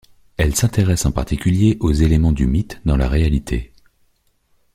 Elle s'intéresse en particulier aux éléments du mythe dans la réalité.